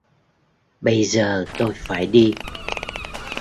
Bây giờ tôi phải đi